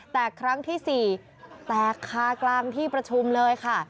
แต่ครั้งที่๔แตกคากลางที่ประชุมเลยค่ะ